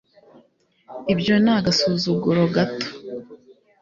ibyo ni agasuzuguro gato